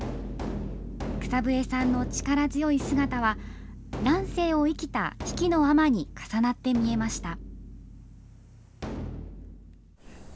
草笛さんの力強い姿は乱世を生きた比企尼に重なって見えました。